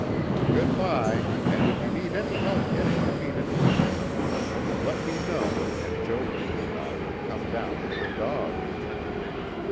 Good bye, and if you need any help getting the meat into camp, let me know and Joe Pete and I will come down with the dogs."